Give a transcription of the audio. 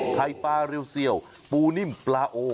ไข่ปลาริวเซียวปูนิ่มปลาโอ